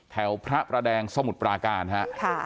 แถวพระพระแดงสมุดปราการค่ะ